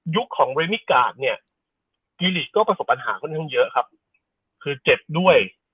ยุคของเวรมิกการ์ดจีลิชก็ประสบปัญหาเยอะคือเจ็บด้วย